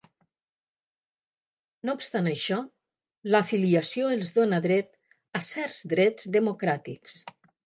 No obstant això, l'afiliació els dona dret a certs drets democràtics.